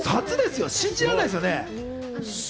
信じられないですよね。